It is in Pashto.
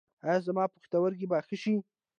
ایا زما پښتورګي به ښه شي؟